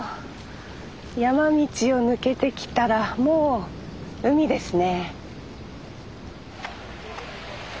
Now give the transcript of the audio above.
山道を抜けてきたらもう海ですね。